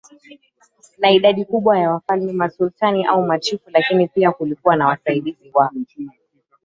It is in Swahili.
na idadi kubwa ya Wafalme Masultani au Machifu lakini pia kulikuwa na wasaidizi wa